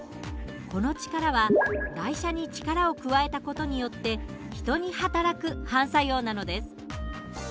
この力は台車に力を加えた事によって人にはたらく反作用なのです。